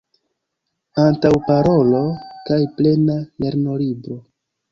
Antaŭparolo kaj plena lernolibro.